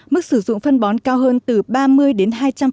mức sử dụng phân bón cao hơn từ ba mươi đến hai trăm linh